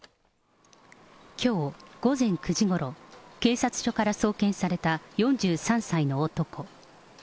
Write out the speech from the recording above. きょう午前９時ごろ、警察署から送検された４３歳の男。